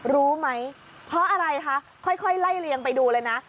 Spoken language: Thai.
รู้ไหมเพราะอะไรคะค่อยไล่เลียงไปดูเลยนะ